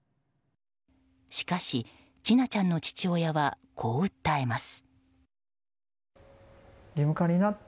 しかし、千奈ちゃんの父親はこう訴えます。